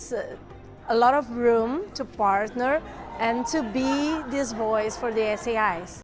dan ada banyak ruang untuk berpartner dan menjadi suara untuk sais